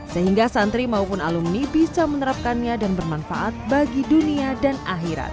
sehingga santri maupun alumni bisa menerapkannya dan bermanfaat bagi dunia dan akhirat